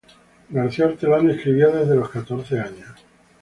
García Hortelano escribió desde los catorce años.